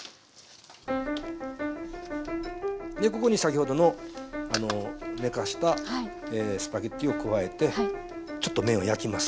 でここに先ほどの寝かせたスパゲッティを加えてちょっと麺を焼きます。